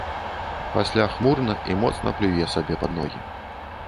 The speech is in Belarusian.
Пасля хмурна і моцна плюе сабе пад ногі.